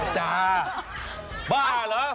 จ้าบ้าเหรอ